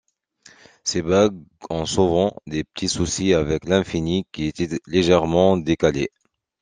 Ces bagues ont souvent des petits soucis avec l'infini qui est légèrement décalé.